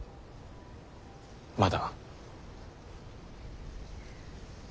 まだ。